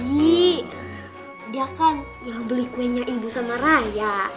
yih dia kan yang beli kuenya ibu sama raya